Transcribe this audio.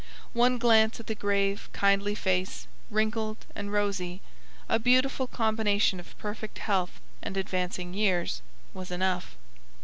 One glance at the grave, kindly face, wrinkled and rosy, a beautiful combination of perfect health and advancing years, was enough.